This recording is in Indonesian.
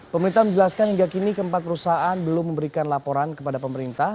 pemerintah menjelaskan hingga kini keempat perusahaan belum memberikan laporan kepada pemerintah